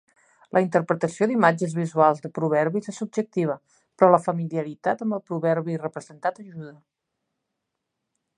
La interpretació d'imatges visuals de proverbis és subjectiva, però la familiaritat amb el proverbi representat ajuda.